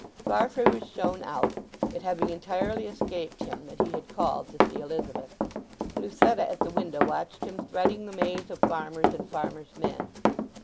Farfrae was shown out, it having entirely escaped him that he had called to see Elizabeth. Lucetta at the window watched him threading the maze of farmers and farmers' men.